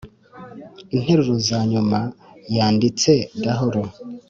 interuro za nyuma yazanditse gahoro